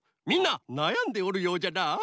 みんななやんでおるようじゃな。